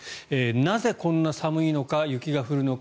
なぜ、こんな寒いのか雪が降るのか